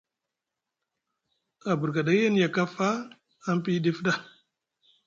A birga ɗay anye kafa aŋ piyi ɗif ɗa.